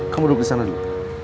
kamu duduk di sana nih